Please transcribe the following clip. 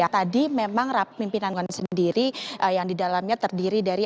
tadi memang pemimpinan sendiri yang di dalamnya terdiri dari